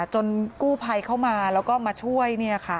กู้ภัยเข้ามาแล้วก็มาช่วย